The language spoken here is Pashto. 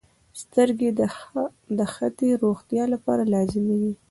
• سترګې د ښې روغتیا لپاره لازمي دي.